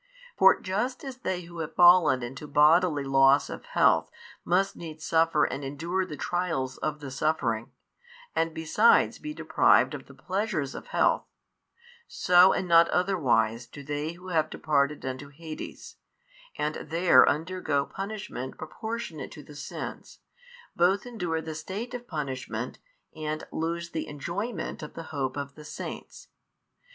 For just as they who have fallen into bodily loss of health must needs suffer and endure the trials of the suffering and besides be deprived of the pleasures of health; so and not otherwise do they who have departed into Hades, and there undergo punishment proportionate to the sins, both endure the state of punishment and lose the enjoyment of the hope of the saints.